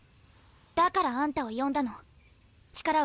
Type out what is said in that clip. だからあんたを呼んだの力を貸して。